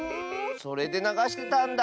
それでながしてたんだ。